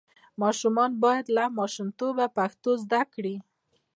ماشومان باید له ماشومتوبه پښتو زده کړي.